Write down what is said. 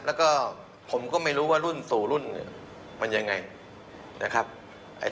แล้วก็ผมก็ไม่รู้ว่ารุ่นสู่รุ่นมันอย่างไร